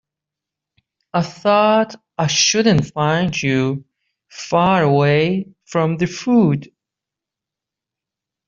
I thought I shouldn't find you far away from the food.